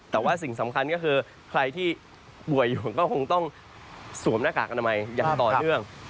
แต่ว่าสิ่งสำคัญก็คือใครที่ป่วยอยู่ก็คงต้องสวมหน้ากากอนามัยอย่างต่อเนื่อง